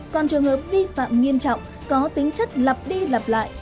còn trường hợp vi phạm nghiêm trọng có tính chất lặp đi lặp lại